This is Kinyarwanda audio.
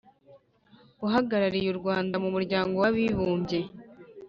uhagarariye u rwanda mu muryango w'abibumbye